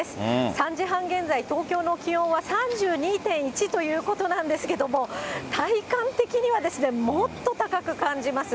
３時半現在、東京の気温は３２．１ということなんですけれども、体感的にはもっと高く感じます。